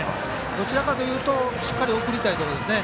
どちらかというとしっかり送りたいところですね。